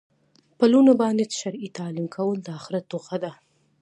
په لوڼو باندي شرعي تعلیم کول د آخرت توښه ده